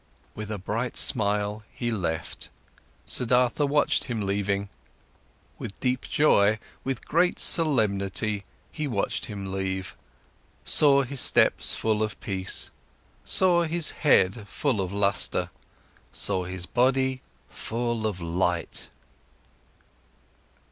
With a bright smile, he left; Siddhartha watched him leaving. With deep joy, with deep solemnity he watched him leave, saw his steps full of peace, saw his head full of lustre, saw his body full of light.